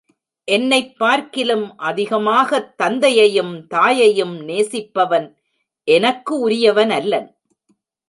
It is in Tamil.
என்னைப் பார்க்கிலும் அதிகமாகத் தந்தையையும் தாயையும் நேசிப்பவன் எனக்கு உரியவனல்லன்.